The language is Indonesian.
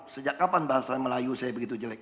sejak kapan bahasa melayu saya begitu jelek